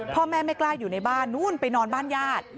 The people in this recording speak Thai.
พ่อแม่ไม่กล้าอยู่ในบ้านนู้นไปนอนบ้านญาติ